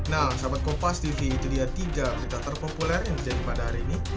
nah sahabat kompas tv itu dia tiga berita terpopuler yang terjadi pada hari ini